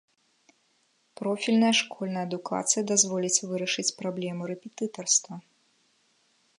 Профільная школьная адукацыя дазволіць вырашыць праблему рэпетытарства.